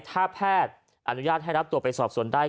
ถ้าแพทย์อนุญาตให้รับตัวไปสอบส่วนได้